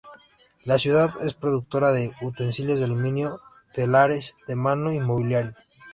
La ciudad es productora de utensilios de aluminio, telares de mano y mobiliario.